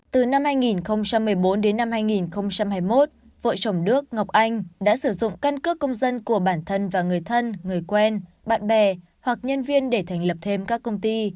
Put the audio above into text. từ năm hai nghìn một mươi bốn đến năm hai nghìn hai mươi một vợ chồng đức ngọc anh đã sử dụng căn cước công dân của bản thân và người thân người quen bạn bè hoặc nhân viên để thành lập thêm các công ty